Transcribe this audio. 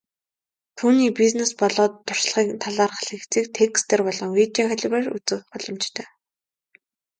Түүний бизнес болоод туршлагын талаарх лекцийг текстээр болон видео хэлбэрээр үзэх боломжтой.